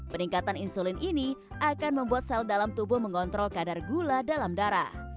peningkatan insulin ini akan membuat sel dalam tubuh mengontrol kadar gula dalam darah